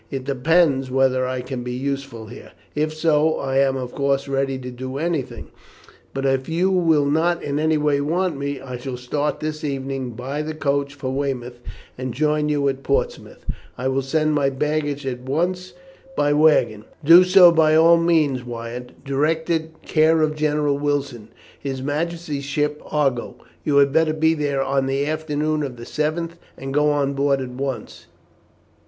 "It depends whether I can be useful here; if so, I am of course ready to do anything, but if you will not in any way want me, I shall start this evening by the coach for Weymouth, and join you at Portsmouth. I will send my baggage off at once by waggon." "Do so by all means, Wyatt. Direct it 'Care of General Wilson, His Majesty's ship Argo.' You had better be there on the afternoon of the 7th, and go on board at once.